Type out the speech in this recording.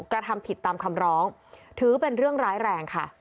กระทำผิดตามคำร้องถือเป็นเรื่องร้ายแรงค่ะ